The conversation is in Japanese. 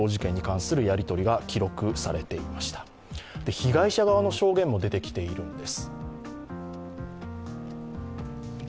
被害者側の証言も出てきているんです。